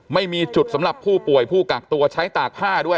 ไม่มีจุดสำหรับผู้ป่วยผู้กักตัวใช้ตากผ้าด้วย